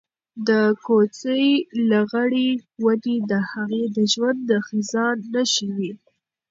د کوڅې لغړې ونې د هغې د ژوند د خزان نښې وې.